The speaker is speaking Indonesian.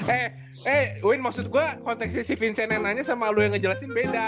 eh eh win maksud gua kontak si si vincent yang nanya sama lu yang ngejelasin beda